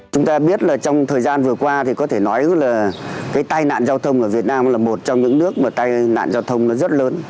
chúng ta biết là trong thời gian vừa qua thì có thể nói là cái tai nạn giao thông ở việt nam là một trong những nước mà tai nạn giao thông nó rất lớn